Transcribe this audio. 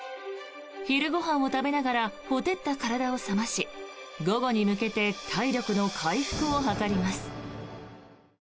昼ご飯を食べながら火照った体を冷まし午後に向けて体力の回復を図ります。